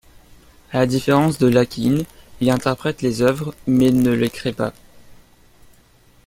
À la différence de l'akyn, il interprète les œuvres, mais ne les crée pas.